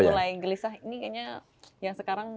mulai gelisah ini kayaknya yang sekarang